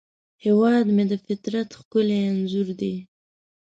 هیواد مې د فطرت ښکلی انځور دی